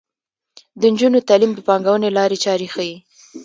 د نجونو تعلیم د پانګونې لارې چارې ښيي.